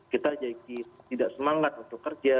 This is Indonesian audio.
kita jadi tidak semangat untuk kerja